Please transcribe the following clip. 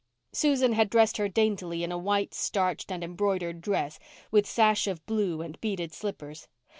Susan had dressed her daintily in a white, starched, and embroidered dress, with sash of blue and beaded slippers.